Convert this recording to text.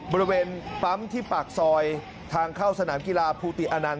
บริเวณปั๊มที่ปากซอยทางเข้าสนามกีฬาภูติอนันต